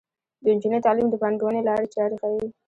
د نجونو تعلیم د پانګونې لارې چارې ښيي.